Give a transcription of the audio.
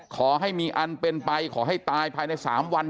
ขอให้มีอันเป็นไปขอให้ตายภายใน๓วัน